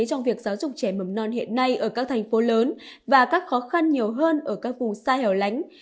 trong việc giáo dục trẻ mầm non hiện nay ở các thành phố lớn và các khó khăn nhiều hơn ở các vùng xa hẻo lánh